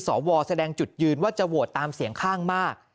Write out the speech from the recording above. สวแสดงจุดยืนว่าจะโหวตตามเสียงข้างมาก